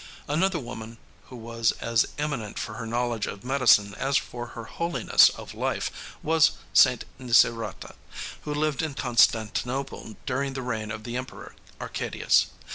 Another woman who was as eminent for her knowledge of medicine as for her holiness of life was St. Nicerata, who lived in Constantinople during the reign of the emperor Arcadius.